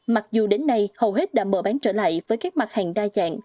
mặc dù đến nay hầu hết đã mở bán trở lại với các mặt hàng đa dạng